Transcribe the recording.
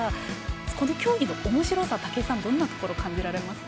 この競技のおもしろさ武井さん、どんなところ感じられますか？